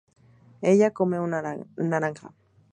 ella come una naranja